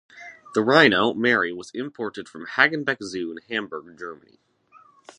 The rhino, Mary, was imported from the Hagenbeck Zoo in Hamburg, Germany.